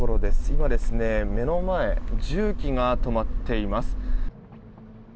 今、目の前重機が止まっています。